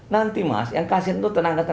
nanti mas yang kasih itu tenaga tenaga kesehatan